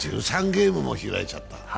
ゲームも開いちゃった。